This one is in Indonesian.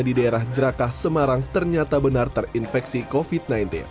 di daerah jerakah semarang ternyata benar terinfeksi covid sembilan belas